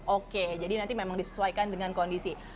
oke jadi nanti memang disesuaikan dengan kondisi